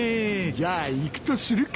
じゃあ行くとするか。